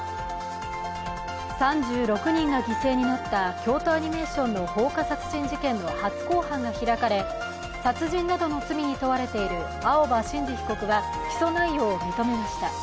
３６人が犠牲になった京都アニメーションの放火殺人事件の初公判が開かれ、殺人などの罪に問われている青葉真司被告は起訴内容を認めました。